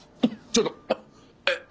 ちょっとえっ？